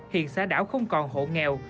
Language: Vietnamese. hiện xã đảo không còn hộ nghèo